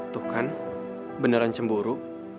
tuh kan beneran cemburu